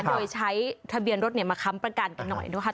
โดยใช้ทะเบียนรถมาค้ำประกันกันหน่อยนะคะ